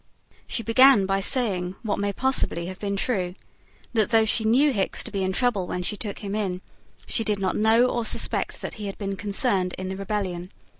She began by saying, what may possibly have been true, that though she knew Hickes to be in trouble when she took him in, she did not know or suspect that he had been concerned in the rebellion.